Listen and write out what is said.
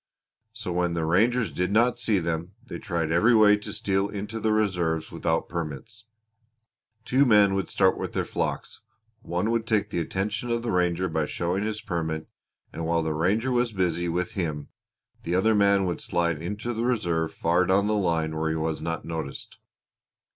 So when the rangers did not see them they tried every way to steal into the reserves without permits. Two men would start with their flocks; one would take the attention of the ranger by showing his permit and while the ranger was busy with him the other man would slide into the reserve far down the line where he was not noticed."